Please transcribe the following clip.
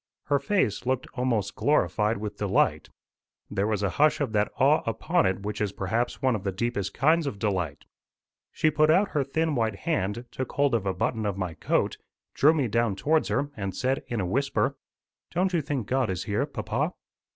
Her face looked almost glorified with delight: there was a hush of that awe upon it which is perhaps one of the deepest kinds of delight. She put out her thin white hand, took hold of a button of my coat, drew me down towards her, and said in a whisper: "Don't you think God is here, papa?"